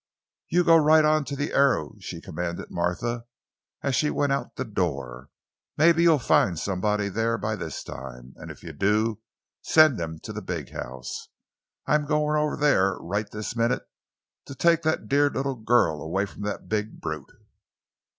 "You go right on to the Arrow!" she commanded Martha, as she went out of the door; "mebbe you'll find somebody there by this time, an' if you do, send them to the big house. I'm goin' over there right this minute to take that dear little girl away from that big brute!"